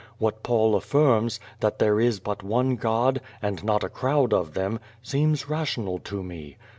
What Paul affirms, that there is l)ut one God, and not a crowd of them, seems rational to me.